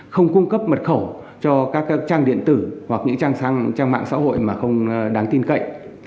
không cung cấp mật khẩu cho các trang điện tử hoặc những trang mạng xã hội mà không đáng tin cậy